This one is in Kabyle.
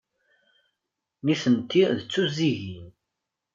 Nitenti d tuzzigin.